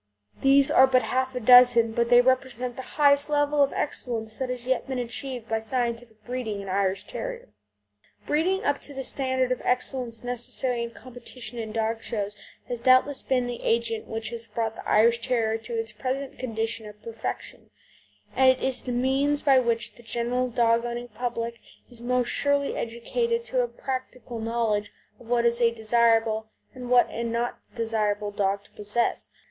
These are but half a dozen, but they represent the highest level of excellence that has yet been achieved by scientific breeding in Irish Terrier type. Breeding up to the standard of excellence necessary in competition in dog shows has doubtless been the agent which has brought the Irish Terrier to its present condition of perfection, and it is the means by which the general dog owning public is most surely educated to a practical knowledge of what is a desirable and what an undesirable dog to possess.